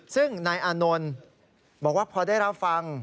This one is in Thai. ซึ่งนายอานนท์บอกว่าพอได้รับฟัง